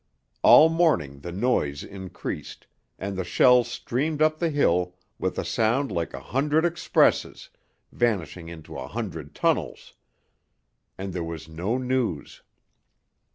All morning the noise increased, and the shells streamed up the hill with a sound like a hundred expresses vanishing into a hundred tunnels: and there was no news.